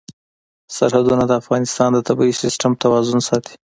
سرحدونه د افغانستان د طبعي سیسټم توازن ساتي.